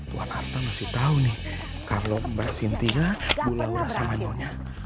tuan arta masih tahu nih kalau mbak cynthia bula bura sama nyonya